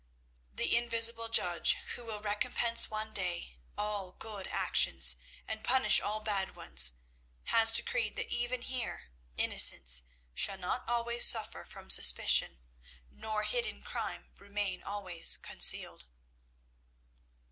The invisible Judge, who will recompense one day all good actions and punish all bad ones, has decreed that even here innocence shall not always suffer from suspicion, nor hidden crime remain always concealed.'"